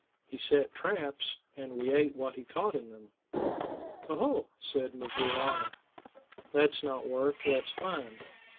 He set traps, and we ate what he caught in them." "Oho!" said 'Mvoo Laana; "that's not work; that's fun.